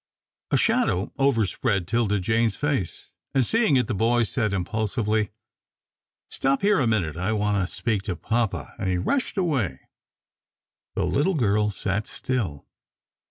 A shadow overspread 'Tilda Jane's face, and seeing it, the boy said, impulsively, "Stop here a minute I want to speak to papa," and he rushed away. The little girl sat still.